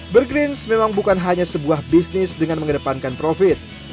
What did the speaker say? burgerins memang bukan hanya sebuah bisnis dengan mengedepankan profit